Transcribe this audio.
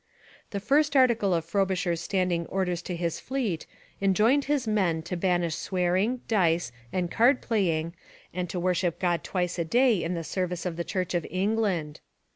The first article of Frobisher's standing orders to his fleet enjoined his men to banish swearing, dice, and card playing and to worship God twice a day in the service of the Church of England.